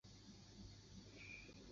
徐文铨之子。